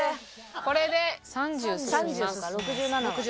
これで３０進みます。